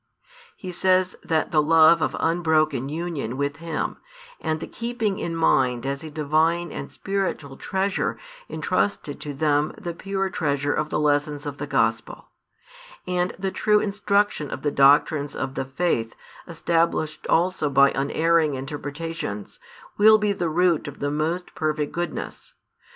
He says that the love of unbroken union with Him, and the keeping in mind as a Divine and spiritual treasure entrusted to them the pure treasure of the lessons of the Gospel, and the true instruction of the doctrines of the faith, established also by unerring interpretations, will be the root of the most perfect goodness.